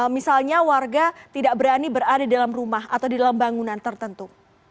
misalnya warga tidak berani berada di dalam rumah atau di dalam bangunan tertentu